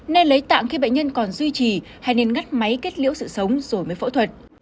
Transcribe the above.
nên lấy tạng khi bệnh nhân còn duy trì hay nên ngắt máy kết liễu sự sống rồi mới phẫu thuật